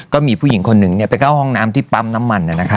ก็มีผู้หญิงคนหนึ่งไปเข้าห้องน้ำที่ปั๊มน้ำมัน